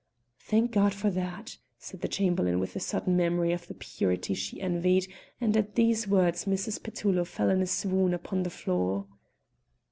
"Thank God for that!" said the Chamberlain with a sudden memory of the purity she envied, and at these words Mrs. Petullo fell in a swoon upon the floor.